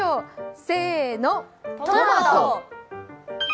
せーの、トマト！